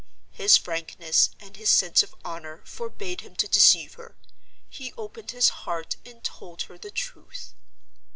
His frankness and his sense of honor forbade him to deceive her: he opened his heart and told her the truth.